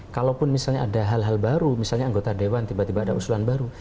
kalaupun misalnya ada hal hal baru misalnya anggota dewan tiba tiba ada usulan baru